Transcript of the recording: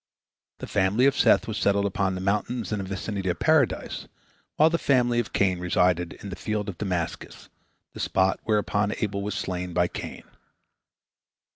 The family of Seth was settled upon the mountains in the vicinity of Paradise, while the family of Cain resided in the field of Damascus, the spot whereon Abel was slain by Cain.